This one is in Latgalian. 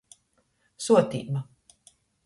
Suotiba.